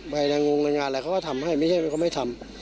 ใบนางงแรงงานอะไรเขาก็ทำให้ไม่ใช่เขาไม่ทำ